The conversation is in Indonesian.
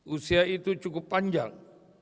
usia itu cukup panjang